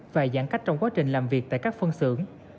và giãn cách trong quá trình làm việc tại các phân xưởng